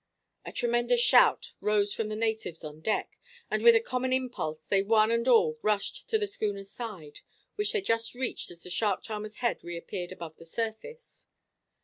A tremendous shout rose from the natives on deck, and with a common impulse they one and all rushed to the schooner's side, which they reached just as the shark charmer's head reappeared above the surface.